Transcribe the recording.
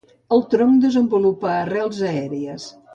El tronc desenvolupa arrels aèries.